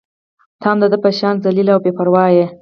ته هم د ده په شان ذلیله او بې پرواه يې.